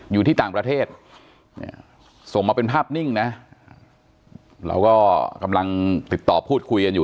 อยู่ที่ต่างประเทศส่งมาเป็นภาพนิ่งนะเราก็กำลังติดต่อพูดคุยกันอยู่